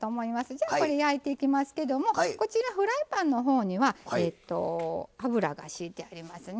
じゃあこれ焼いていきますけどもこちらフライパンのほうには油がしいてありますね。